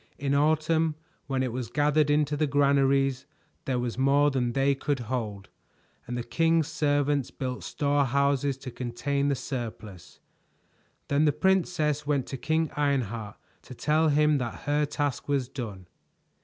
In autumn, when it was gathered into the granaries, there was more than they could hold, and the king's servants built storehouses to contain the surplus. Then the princess went to King Ironheart to tell him that her task was done.